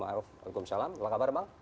waalaikumsalam apa kabar bang